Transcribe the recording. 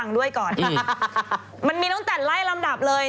นึงเขาเข้ามาเลย